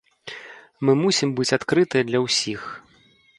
Мы мусім быць адкрытыя для ўсіх.